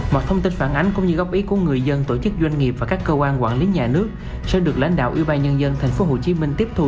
mọi thông tin phản ánh cũng như góp ý của người dân tổ chức doanh nghiệp và các cơ quan quản lý nhà nước sẽ được lãnh đạo ủy ban nhân dân tp hcm tiếp thu